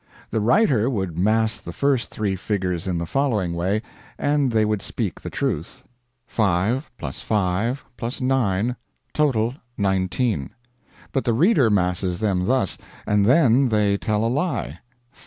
The writer would mass the first three figures in the following way, and they would speak the truth. 5 5 9 Total 19 But the reader masses them thus and then they tell a lie 559.